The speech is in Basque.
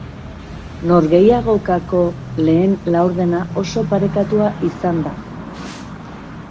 Norgehiagokako lehen laurdena oso parekatua izan da.